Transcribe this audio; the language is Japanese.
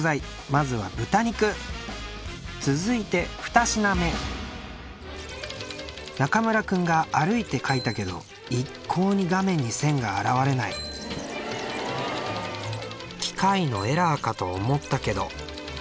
まずは豚肉続いて２品目中村君が歩いて描いたけど一向に画面に線が現れない機械のエラーかと思ったけど